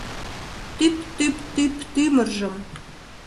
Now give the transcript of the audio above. Тӱп-тӱп-тӱп тӱмыржым